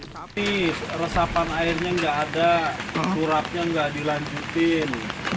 tapi resapan airnya nggak ada turapnya nggak dilanjutin